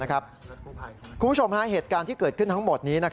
คุณผู้ชมเหตุการณ์ที่เกิดขึ้นทั้งหมดนี้